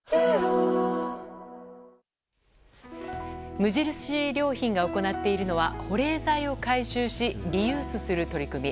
無印良品が行っているのは保冷剤を回収しリユースする取り組み。